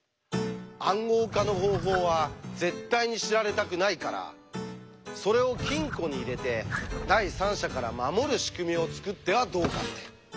「暗号化の方法」は絶対に知られたくないからそれを金庫に入れて第三者から守る仕組みを作ってはどうかって。